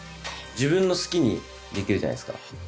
自分の好きにできるじゃないですか。